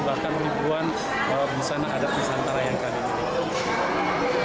bahkan ribuan busana ada di santara yang kami miliki